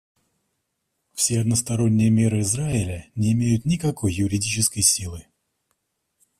Все односторонние меры Израиля не имеют никакой юридической силы.